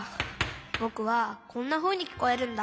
ぼくはこんなふうにきこえるんだ。